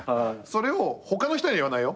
それを他の人には言わないよ